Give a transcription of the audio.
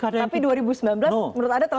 tapi dua ribu sembilan belas menurut anda